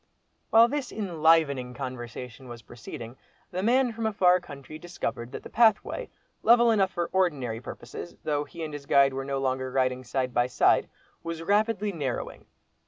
While this enlivening conversation was proceeding, the man from a far country discovered that the pathway, level enough for ordinary purposes, though he and his guide were no longer riding side by side, was rapidly narrowing.